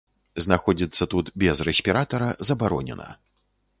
Знаходзіцца тут без рэспіратара забаронена.